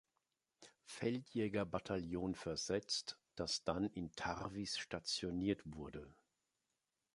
Feldjägerbataillon versetzt, das dann in Tarvis stationiert wurde.